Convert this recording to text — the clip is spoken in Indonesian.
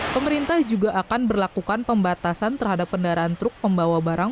pemerintah juga akan berlakukan pembatasan terhadap kendaraan truk pembawa barang